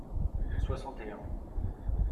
Soixante et un.